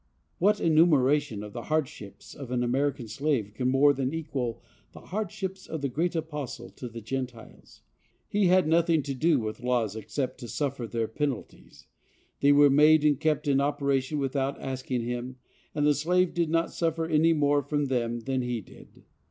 What enumeration of the hardships of an American slave can more than equal the hardships of the great apostle to the Gentiles? He had nothing to do with laws except to suffer their penalties. They were made and kept in operation without asking him, and the slave did not suffer any more from them than he did.